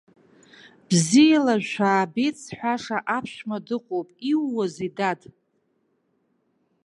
Бзиала шәаабеит зҳәаша аԥшәма дыҟоуп, иууазеи, дад?!